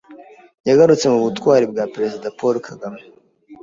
Yagarutse ku butwari bwa Perezida Paul Kagame